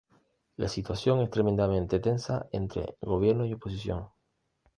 La situación es tremendamente tensa entre gobierno y oposición.